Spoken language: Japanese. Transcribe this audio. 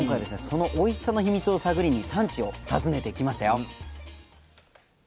そのおいしさの秘密を探りに産地を訪ねてきましたよ。